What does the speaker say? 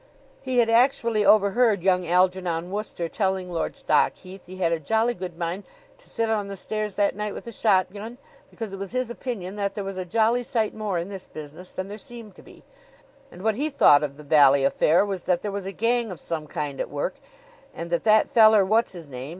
He had actually overheard young Algernon Wooster telling Lord Stockheath he had a jolly good mind to sit on the stairs that night with a shotgun, because it was his opinion that there was a jolly sight more in this business than there seemed to be; and what he thought of the bally affair was that there was a gang of some kind at work, and that that feller what's his name?